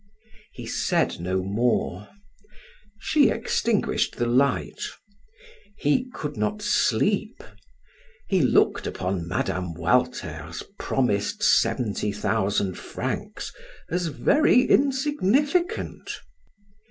He said no more. She extinguished the light. He could not sleep. He looked upon Mme. Walter's promised seventy thousand francs as very insignificant.